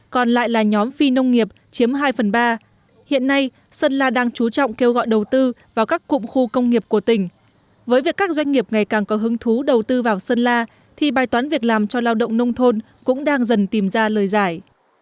còn lại là nhóm phi nông nghiệp chiếm hai phần ba hiện nay sơn la đang chú trọng kêu gọi đầu tư vào các cụm khu công nghiệp của tỉnh với việc các doanh nghiệp ngày càng có hứng thú đầu tư vào sơn la thì bài toán việc làm cho lao động nông thôn cũng đang dần tìm ra lời giải